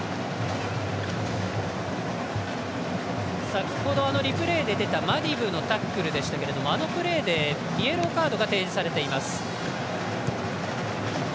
先ほどリプレーで出たマディブーのタックルでしたけどあのプレーでイエローカードが提示されています。